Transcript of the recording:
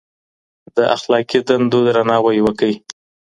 د اخلاقي دندو درناوی وکړئ.